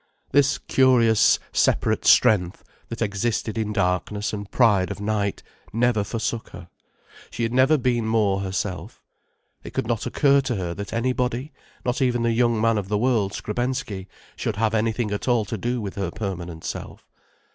This curious separate strength, that existed in darkness and pride of night, never forsook her. She had never been more herself. It could not occur to her that anybody, not even the young man of the world, Skrebensky, should have anything at all to do with her permanent self.